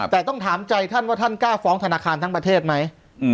แต่ต้องถามใจท่านว่าท่านกล้าฟ้องธนาคารทั้งประเทศไหม